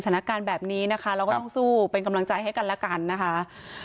สถานการณ์แบบนี้นะคะเราก็ต้องสู้เป็นกำลังใจให้กันแล้วกันนะคะ